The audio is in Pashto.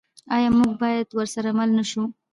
آیا موږ باید ورسره مل نشو؟